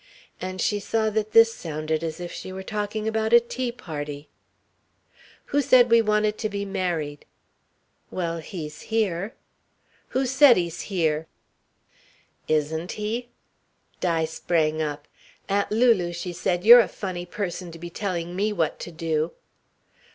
And she saw that this sounded as if she were talking about a tea party. "Who said we wanted to be married?" "Well, he's here." "Who said he's here?" "Isn't he?" Di sprang up. "Aunt Lulu," she said, "you're a funny person to be telling me what to do."